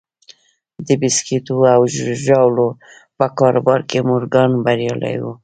د بیسکويټو او ژاولو په کاروبار کې مورګان بریالی و